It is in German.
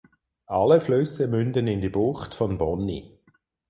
Alle Flüsse münden in die Bucht von Bonny.